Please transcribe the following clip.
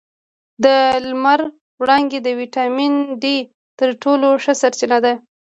د لمر وړانګې د ویټامین ډي تر ټولو ښه سرچینه ده